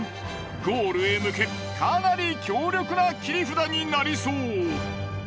ゴールへ向けかなり強力な切り札になりそう。